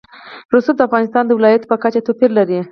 رسوب د افغانستان د ولایاتو په کچه توپیر لري.